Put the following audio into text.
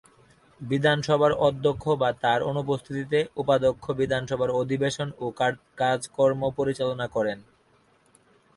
বিধানসভার অধ্যক্ষ বা তার অনুপস্থিতিতে উপাধ্যক্ষ বিধানসভার অধিবেশন ও কাজকর্ম পরিচালনা করেন।